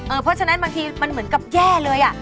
เพราะฉะนั้นบางทีมันเหมือนกับแย่เลย